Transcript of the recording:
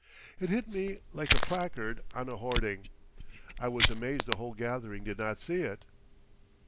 It hit me like a placard on a hoarding. I was amazed the whole gathering did not see it.